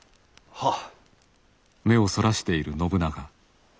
はっ。